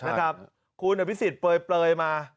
นะครับครูนวิสิตเปลยมา